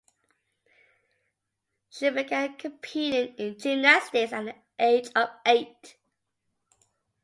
She began competing in gymnastics at the age of eight.